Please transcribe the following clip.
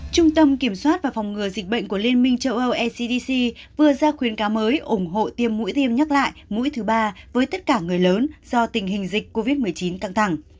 trung tâm kiểm soát và phòng ngừa dịch bệnh của liên minh châu âu ecdc vừa ra khuyến cáo mới ủng hộ tiêm mũi tiêm nhắc lại mũi thứ ba với tất cả người lớn do tình hình dịch covid một mươi chín căng thẳng